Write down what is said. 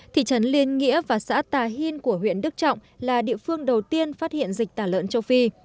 thị trấn liên nghĩa và xã tà hìn của huyện đức trọng là địa phương đầu tiên phát hiện dịch tả lợn châu phi